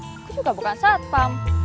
aku juga bukan satpam